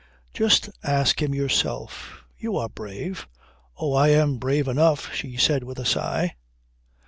"Just ask him yourself. You are brave." "Oh, I am brave enough," she said with a sigh.